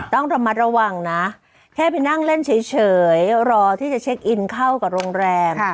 ต้องระมัดระวังนะแค่ไปนั่งเล่นเฉยรอที่จะเช็คอินเข้ากับโรงแรม